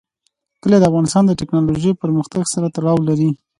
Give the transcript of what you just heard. کلي د افغانستان د تکنالوژۍ پرمختګ سره تړاو لري.